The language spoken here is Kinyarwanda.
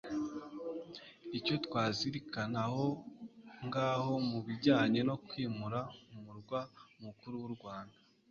Icyo twazirikana aha ng'aha mu bijyanye no kwimura umurwa mukuru w'u Rwanda